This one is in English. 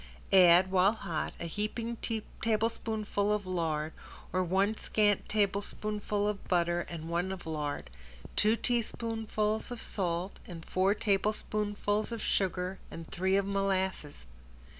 Add, while hot, a heaping tablespoonful of lard or one scant tablespoonful of butter and one of lard, two teaspoonfuls of salt and four tablespoonfuls of sugar and three of molasses.